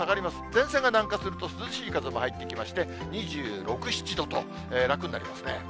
前線が南下すると涼しい風も入ってきまして、２６、７度と、楽になりますね。